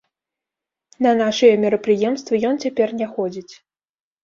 На нашыя мерапрыемствы ён цяпер не ходзіць.